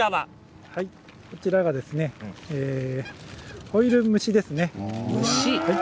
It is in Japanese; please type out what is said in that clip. こちらがホイル蒸しですね。